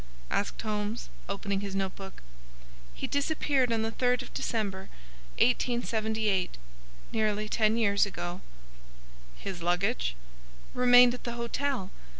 asked Holmes, opening his note book. "He disappeared upon the 3rd of December, 1878,—nearly ten years ago." "His luggage?" "Remained at the hotel.